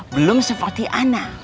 belum seperti ana